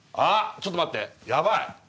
ちょっと待ってヤバい！